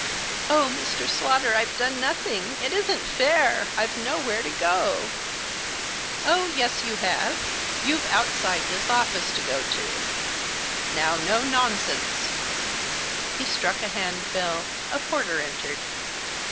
"Oh, Mr. Slaughter, I've done nothing I it isn't fair ! I've nowhere to go to 1 "" Oh, yes, you have, you've outside this office to go to. Now, no nonsense !" He struck a hand bell ; a porter entered.